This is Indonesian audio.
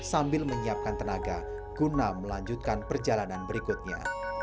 sambil menyiapkan tenaga guna melanjutkan perjalanan berikutnya